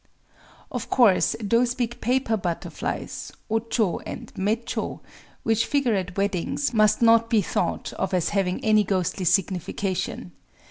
—Of course those big paper butterflies (o chō and mé chō) which figure at weddings must not be thought of as having any ghostly signification.